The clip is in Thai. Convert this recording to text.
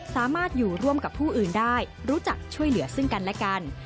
สามารถอยู่ร่วมกับผู้อื่นได้รู้จักช่วยเหลือซึ่งกันและกัน